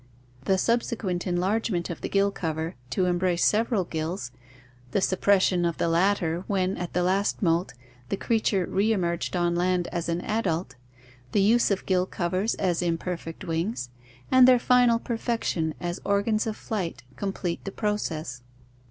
The subsequent enlargement of the gill cover to embrace several gills, the suppres sion of the latter when, at the last molt, the creature reSmerged on land as an adult, the use of gill covers as imperfect wings, and their final perfection as organs of flight complete the process.